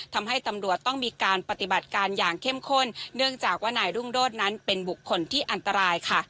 ทำให้ตำรวจต้องมีการปฏิบัติการอย่างเข้มข้นเนื่องจากว่านายรุ่งโดดนั้นเป็นบุคคลที่อันตรายค่ะ